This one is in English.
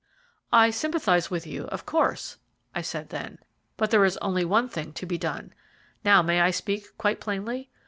"I sympathize with you, of course," I said then; "but there is only one thing to be done. Now, may I speak quite plainly?